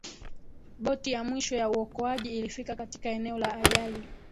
boti ya mwisho ya uokoaji ilifika katika eneo la ajali